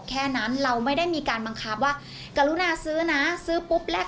แค่นั้นเราไม่ได้มีการบังคับว่ากรุณาซื้อนะซื้อปุ๊บแรก